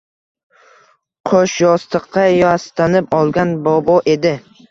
Qo‘shyostiqqa yastanib olgan bobo edi.